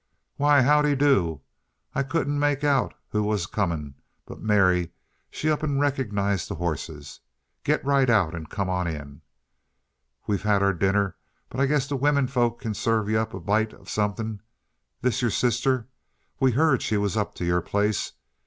"Why, how de do! I couldn't make out who 't was comin', but Mary, she up an' rek'nized the horses. Git right out an' come on in! We've had our dinner, but I guess the wimmin folks can scare ye up a bite uh suthin'. This yer sister? We heard she was up t' your place.